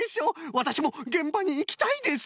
わたしもげんばにいきたいです。